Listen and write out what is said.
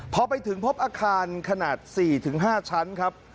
พอไปถึงพบอาคารขนาด๔๕ชั้นครับ